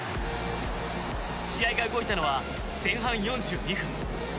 試合が動いたのは前半４２分。